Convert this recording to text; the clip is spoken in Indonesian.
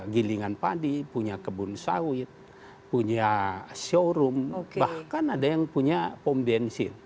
gilingan padi punya kebun sawit punya showroom bahkan ada yang punya pom bensin